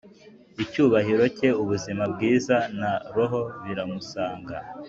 icyubahiro cye ubuzima bwiza na roho biramusaga.